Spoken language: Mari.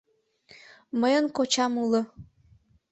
Мыйын кочам уло...